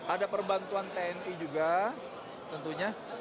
ada perbantuan tni juga tentunya